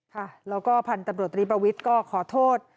ค่ะแล้วก็พันธุ์ตำรวจตรีประวิทย์ก็ขอโทษ